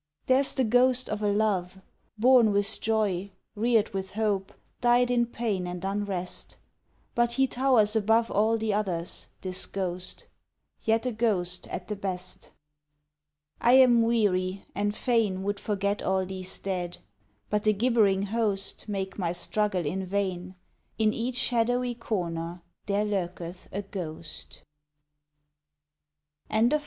There's the ghost of a Love, Born with joy, reared with hope, died in pain and unrest, But he towers above All the others this ghost: yet a ghost at the best. I am weary, and fain Would forget all these dead: but the gibbering host Make my struggle in vain, In each shadowy corner there lurketh a ghost. FLEEING AWAY.